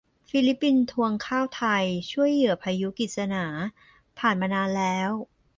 ฟิลิปปินส์ทวงข้าวไทยช่วยเหยื่อพายุกิสนา ผ่านมานานแล้ว